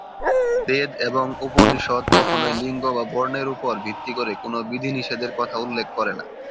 বেদ এবং উপনিষদ কখনই লিঙ্গ বা বর্ণের উপর ভিত্তি করে কোন বিধিনিষেধের কথা উল্লেখ করে না।